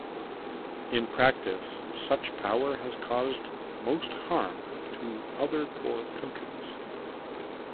In practice such power has caused most harm to other poor countries.